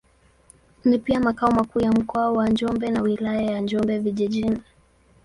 Ni pia makao makuu ya Mkoa wa Njombe na Wilaya ya Njombe Vijijini.